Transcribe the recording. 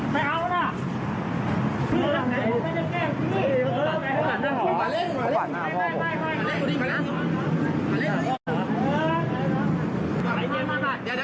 มั่นค่ะ